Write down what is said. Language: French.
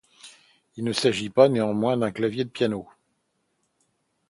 Il ne s'agit pas, néanmoins, d'un clavier de piano.